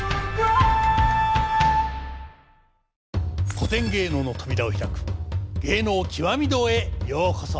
古典芸能の扉を開く「芸能きわみ堂」へようこそ。